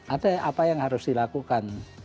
ada apa yang harus dilakukan